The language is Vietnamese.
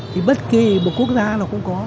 thì bất kỳ một quốc gia nó cũng có